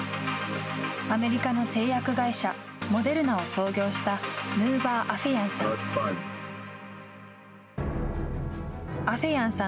アメリカの製薬会社、モデルナを創業した、ヌーバー・アフェヤンさん。